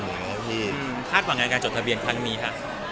คาดหวังอะไรกับการจดทะเบียนครั้งนี้คะ